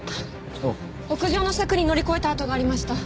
屋上の柵に乗り越えた跡がありました。